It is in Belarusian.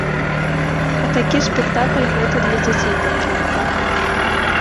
А такі спектакль гэта для дзяцей падтрымка.